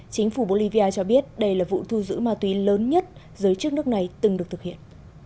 chính phủ bolivia cho biết đây là vụ thu giữ ma túy lớn nhất giới chức nước này từng được thực hiện